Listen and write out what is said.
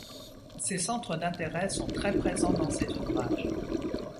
Ces centres d'intérêt sont très présents dans ses ouvrages.